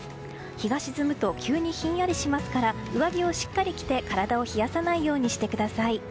日が沈むと急にひんやりしますから上着をしっかり着て体を冷やさないようにしてください。